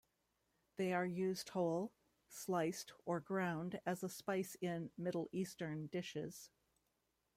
They are used whole, sliced or ground, as a spice in Middle Eastern dishes.